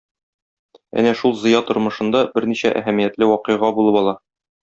Әнә шул Зыя тормышында берничә әһәмиятле вакыйга булып ала.